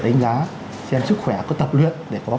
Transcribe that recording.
đánh giá xem sức khỏe có tập luyện để có